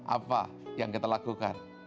apa yang kita lakukan